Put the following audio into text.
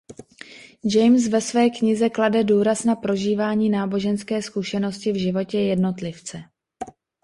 James ve své knize klade důraz na prožívání náboženské zkušenosti v životě jednotlivce.